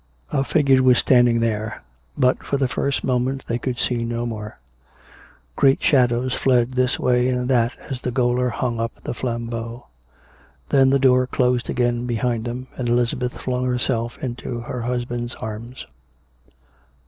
A figure was standing there; but for the first moment they could see no more. Great shadows fled this way and that as the gaoler hung up the flambeau. Then COME RACK! COME ROPE! 239 the door closed again behind them; and Elizabeth flung herself into her husband's arms.